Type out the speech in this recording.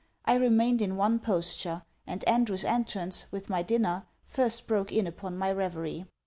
I remained in one posture; and Andrew's entrance, with my dinner, first broke in upon my reverie.